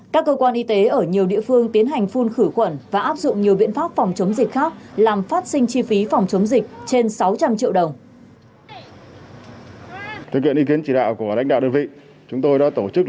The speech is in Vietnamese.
các cơ quan y tế ở nhiều địa phương tiến hành phun khử quẩn và áp dụng nhiều biện pháp phòng chống dịch khác